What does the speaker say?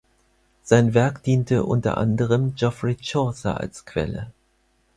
Sein Werk diente unter anderem Geoffrey Chaucer als Quelle.